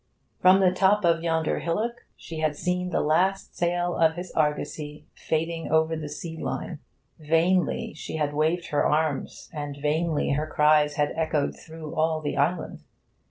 From the top of yonder hillock she had seen the last sail of his argosy fading over the sea line. Vainly she had waved her arms, and vainly her cries had echoed through all the island.